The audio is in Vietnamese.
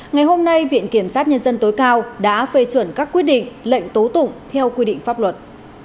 ngày hôm nay viện kiểm sát nhân dân tối cao đã phê chuẩn các quyết định lệnh tố tụng theo quy định pháp luật